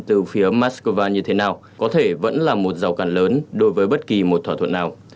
từ phía moscow như thế nào có thể vẫn là một rào cản lớn đối với bất kỳ một thỏa thuận nào